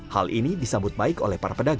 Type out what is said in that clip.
hal ini disambut baik oleh para pedagang